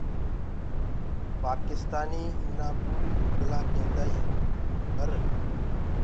پآڪِستآنيٚ انآ ڪوُ گُرگلآ ڪينٚدآئينٚ پر